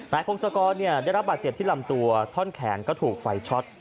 พงศกรได้รับบาดเจ็บที่ลำตัวท่อนแขนก็ถูกไฟช็อต